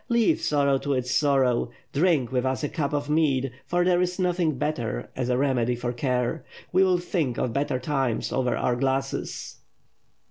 Leave sorrow to its sorrow. Drink with us a cup of mead, for there is nothing better as a remedy for care. We will think of better times over our glasses."